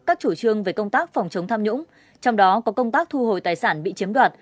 các chủ trương về công tác phòng chống tham nhũng trong đó có công tác thu hồi tài sản bị chiếm đoạt